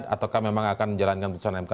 ataukah memang akan menjalankan putusan mk